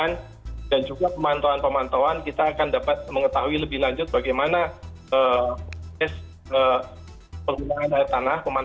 yang bisa kita lakukan dan juga pemantauan pemantauan kita akan dapat mengetahui lebih lanjut bagaimana proses penggunaan air tanah yang bisa kita lakukan